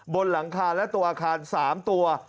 บนหลังคาและตัวอาคาร๓ตัว